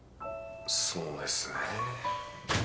そうですね。